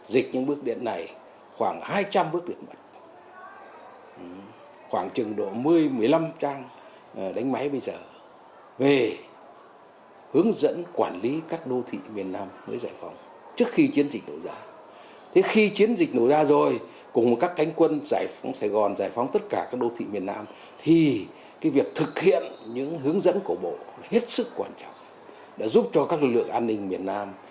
giúp cho các lực lượng an ninh miền nam